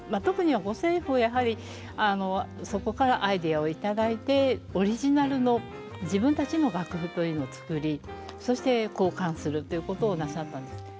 特に五線譜をやはりそこからアイデアを頂いてオリジナルの自分たちの楽譜というのを作りそして公刊するということをなさったんです。